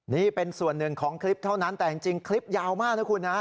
นี่เป็นส่วนหนึ่งของคลิปเท่านั้นแต่จริงคลิปยาวมากนะคุณนะ